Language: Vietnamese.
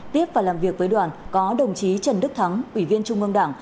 tiếp và làm việc với đoàn có đồng chí trần đức thắng ủy viên trung ương đảng